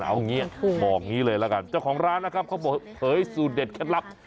เอางี้บอกอย่างนี้เลยละกันเจ้าของร้านนะครับเขาบอกเผยสูตรเด็ดเคล็ดลับ